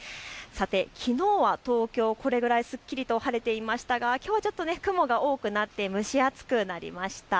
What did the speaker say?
きのうは東京、これくらいすっきりと晴れていましたがきょうは雲も多くなって蒸し暑くなりました。